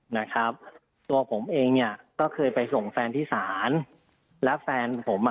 นะครับตัวผมเองเนี่ยก็เคยไปส่งแฟนที่ศาลแล้วแฟนผมอ่ะ